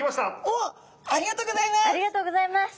おっありがとうギョざいます！